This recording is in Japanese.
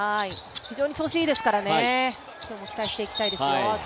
非常に調子がいいですからね、今日も期待していきたいですよ。